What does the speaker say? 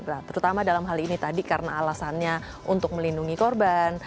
nah terutama dalam hal ini tadi karena alasannya untuk melindungi korban